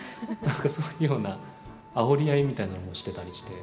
そういうような、あおり合いみたいなのもしてたりして。